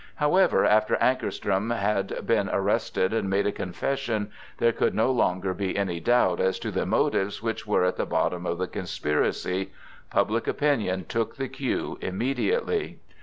However, after Ankarström had been arrested and made a confession, there could no longer be any doubt as to the motives which were at the bottom of the conspiracy. Public opinion took the cue immediately.